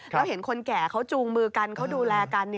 แล้วเห็นคนแก่เขาจูงมือกันเขาดูแลกัน